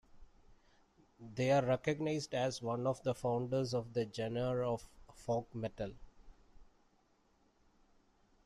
They are recognised as one of the founders of the genre of folk metal.